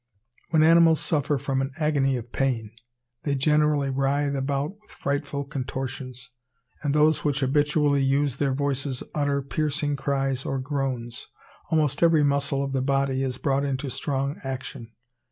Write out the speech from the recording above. When animals suffer from an agony of pain, they generally writhe about with frightful contortions; and those which habitually use their voices utter piercing cries or groans. Almost every muscle of the body is brought into strong action.